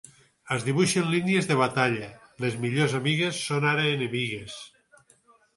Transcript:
Es dibuixen línies de batalla; les millors amigues són ara enemigues.